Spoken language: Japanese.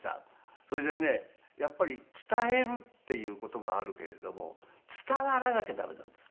それでねやっぱり伝えるっていう言葉あるけれども伝わらなきゃ駄目なんです。